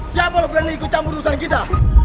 eh eh siapa lo berani ikut campur dosen kita